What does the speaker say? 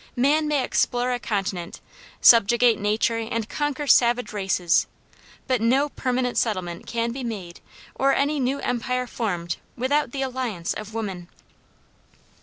Man may explore a continent, subjugate nature and conquer savage races, but no permanent settlement can be made nor any new empire formed without the alliance of woman.